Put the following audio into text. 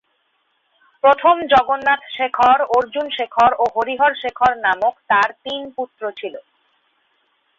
প্রথম জগন্নাথ শেখর, অর্জুন শেখর ও হরিহর শেখর নামক তার তিন পুত্র ছিল।